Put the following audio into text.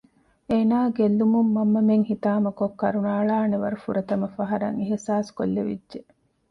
އޭނާ ގެއްލުމުން މަންމަމެން ހިތާމަކޮށް ކަރުނައަޅާނެ ވަރު ފުރަތަމަ ފަހަރަށް އިހްސާސްކޮށްލެވިއްޖެ